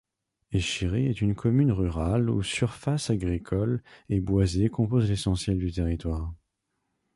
Échiré est une commune rurale où surfaces agricoles et boisées composent l'essentiel du territoire.